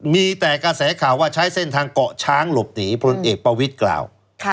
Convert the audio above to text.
มีแต่กระแสข่าวว่าใช้เส้นทางเกาะช้างหลบหนีพลเอกประวิทย์กล่าว